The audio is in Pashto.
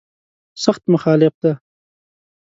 سخت مخالف دی.